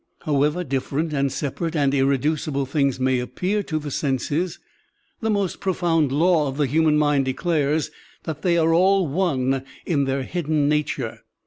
However different and separate and irreducible things may appear to the senses, the most profound law of the human mind declares that they are all one in their hidden nature.